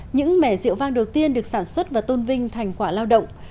những mẻ rượu vang đầu tiên được sản xuất và tôn vinh thành quả lao động